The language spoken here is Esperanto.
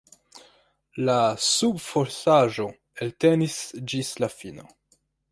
La subfosaĵo eltenis ĝis la fino.